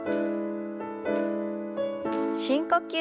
深呼吸。